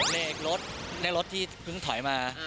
เลขรถเลขรถที่เพิ่งถอยมา